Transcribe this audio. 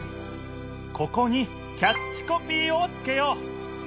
ここにキャッチコピーをつけよう！